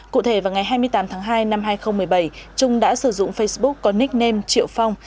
cụ thể vào ngày hai mươi tám tháng hai năm hai nghìn một mươi bảy trung đã sử dụng facebook có nickname triệu phong